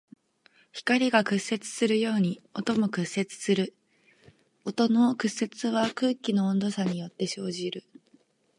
光が屈折するように音も屈折する。音の屈折は空気の温度差によって生じる。